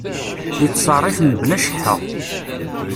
Yettserrif mebla cceḥḥa.